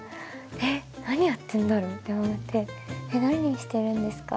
え、何やっているんだろう？と思って何しているんですか？